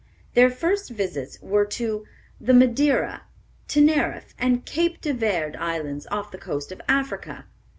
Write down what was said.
Their first visits were to the Madeira, Teneriffe, and Cape de Verde Islands, off the coast of Africa.